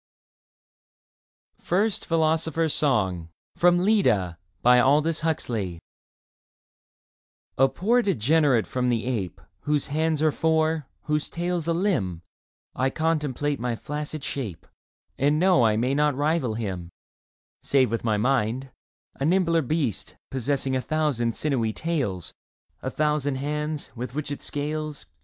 n. First Philosopher's Song 31 FIRST PHILOSOPHER'S SONG A POOR degenerate from the ape, Whose hands are four, whose tail's a Hmb, I contemplate my flaccid shape And know I may not rival him, Save with my mind — a nimbler beast Possessing a thousand sinewy tails, A thousand hands, with which it scales.